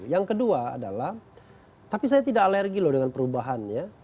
yang kedua adalah tapi saya tidak alergi loh dengan perubahan ya